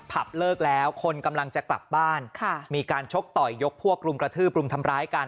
เลิกแล้วคนกำลังจะกลับบ้านมีการชกต่อยยกพวกรุมกระทืบรุมทำร้ายกัน